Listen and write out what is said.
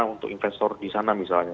untuk investor disana misalnya